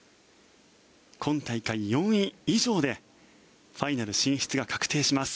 今大会４位以上でファイナル進出が確定します。